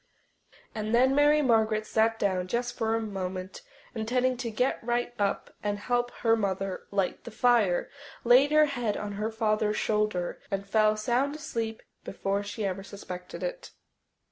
And then Mary Margaret sat down just for a moment, intending to get right up and help her mother light the fire, laid her head on her father's shoulder, and fell sound asleep before she ever suspected it.